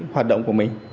hoạt động của mình